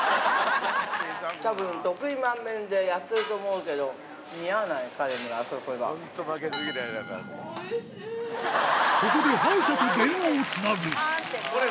たぶん得意満面でやってると思うけど、似合わない、彼にはあそこは。